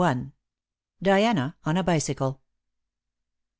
DIANA ON A BICYCLE.